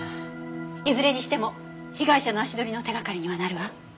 いずれにしても被害者の足取りの手掛かりにはなるわ。